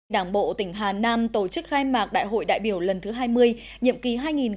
đảng bộ tỉnh hà nam tổ chức khai mạc đại hội đại biểu lần thứ hai mươi nhiệm kỳ hai nghìn hai mươi hai nghìn hai mươi năm